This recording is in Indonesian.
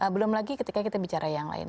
belum lagi ketika kita bicara yang lain